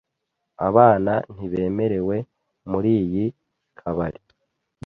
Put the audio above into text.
Abana ntibemerewe muriyi kabari.